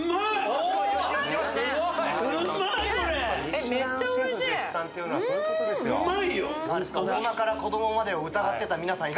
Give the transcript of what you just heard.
大人から子どもまでを疑ってた皆さん